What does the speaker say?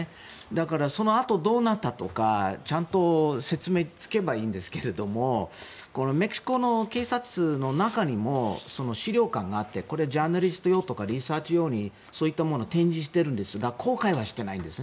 だから、そのあとどうなったとかちゃんと説明がつけばいいんですけどメキシコの警察の中にも資料館があってこれ、ジャーナリスト用とかリサーチ用にそういったものを展示しているんですが公開はしていないんです。